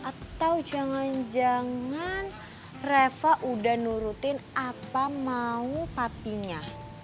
atau jangan jangan reva udah nurutin apa mau papinya